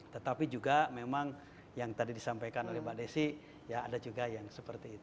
tetapi juga memang yang tadi disampaikan oleh mbak desi ya ada juga yang seperti itu